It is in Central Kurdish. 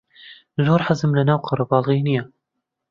زۆر حەزم لەناو قەرەباڵغی نییە.